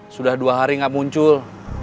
sudah dua hari nggak muncul